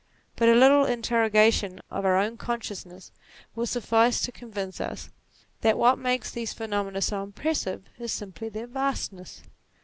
But a little interrogation of our own consciousness will suffice to convince us, NATURE 27 that .what makes these phenomena so impressive is simply their vastness.